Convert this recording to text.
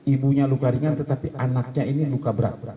ibunya luka ringan tetapi anaknya ini luka berat berat